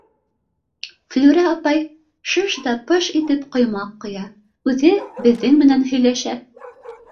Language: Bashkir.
Флүрә апай шыж да пыж итеп ҡоймаҡ ҡоя, үҙе беҙҙең менән һөйләшә: